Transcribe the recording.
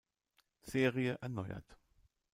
Serie erneuert.